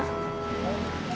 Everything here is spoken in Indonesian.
kamu sendiri gimana